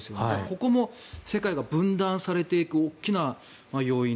ここも世界が分断されていく大きな要因。